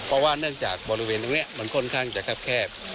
เพราะว่าเนื่องจากบริเวณตรงนี้มันค่อนข้างจะแคบ